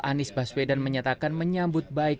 anies baswedan menyatakan menyambut baik